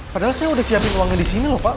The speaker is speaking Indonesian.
padahal saya udah siapin uangnya disini loh pak